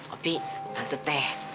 opi tante t